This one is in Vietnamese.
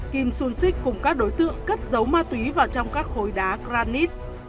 kim xuân xích cùng các đối tượng cất dấu ma túy vào trong các khối đá granite